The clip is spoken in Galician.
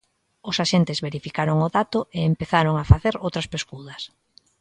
Os axentes verificaron o dato e empezaron a facer outras pescudas.